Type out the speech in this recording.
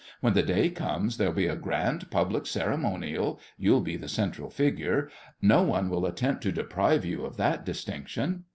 When the day comes there'll be a grand public ceremonial—you'll be the central figure—no one will attempt to deprive you of that distinction.